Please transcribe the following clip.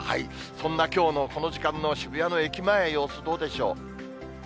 そんなきょうのこの時間の渋谷の駅前の様子、どうでしょう。